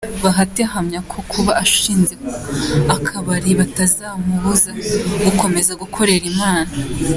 Bahati ahamya ko kuba ashinze akabari bitazamubuza gukomeza gukorera Imana.